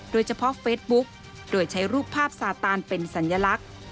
โดยเฉพาะเฟซบุ๊กโดยใช้รูปภาพสาตานเป็นสัญลักษณ์